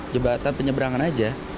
jebatan penyeberangan aja